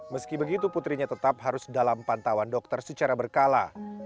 meski begitu putrinya tetap harus dalam pantauan dokter secara berkala